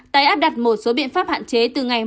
tái áp đặt một số biện pháp hạn chế từ ngày một một mươi hai